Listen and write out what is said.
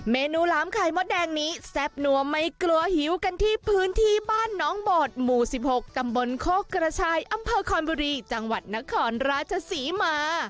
เมนูหลามไข่มดแดงนี้แซ่บนัวไม่กลัวหิวกันที่พื้นที่บ้านน้องโบดหมู่๑๖ตำบลโคกกระชายอำเภอคอนบุรีจังหวัดนครราชศรีมา